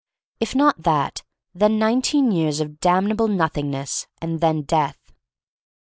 If not that, then nineteen years of damnable Nothingness, and then Death.